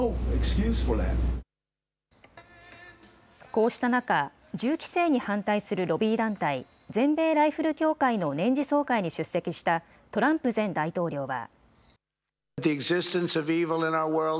こうした中、銃規制に反対するロビー団体、全米ライフル協会の年次総会に出席したトランプ前大統領は。